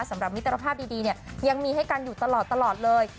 มิตรภาพดีเนี่ยยังมีให้กันอยู่ตลอดเลย